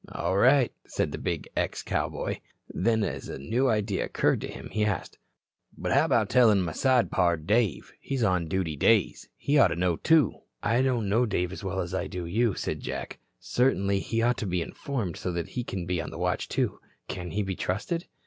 "All right," said the big ex cowboy. Then as a new idea occurred to him, he asked: "But how about tellin' my side pard, Dave? He's on duty days. He oughta know, too." "I don't know Dave as well as I do you," said Jack. "Certainly he ought to be informed, so that he can be on the watch, too. Can he be trusted?"